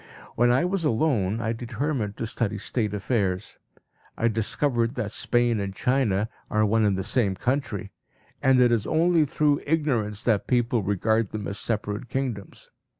When I was alone, I determined to study State affairs; I discovered that Spain and China are one and the same country, and it is only through ignorance that people regard them as separate kingdoms.